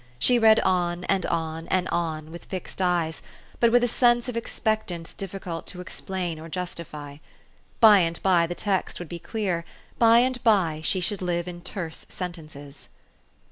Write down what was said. She read on and on and on, with fixed eyes, but with a sense of ex pectance difficult to explain or justify : by and by the text would be clear ; by and by she should live in terse sentences.